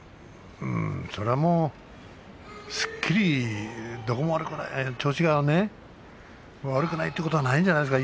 それはもうすっきりどこも悪くない調子が悪くないということはないんじゃないですか。